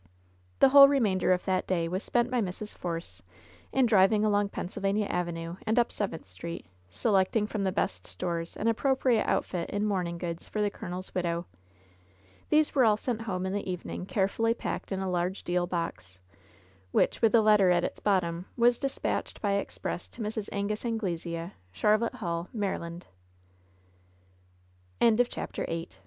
The whole remainder of that day was spent by Mrs. Force in driving along Pennsylvania Avenue and up Seventh Street, selecting from the best stores an appro priate outfit in mourning goods for the colonel's widow. These were all sent home in the evening, carefully packed in a large deal box, which, with a letter at its bottom, was dispatched by express to Mrs. Angus Angle sea, Charlotte Hall, Maryland. CHAPTEE IX VALE